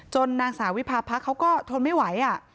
จนนางสาวิพาพักษ์เขาก็ทนไม่ไหวอะ